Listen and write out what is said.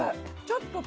ちょっと。